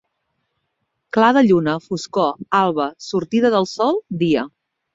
Clar de lluna, foscor, alba, sortida del sol, dia.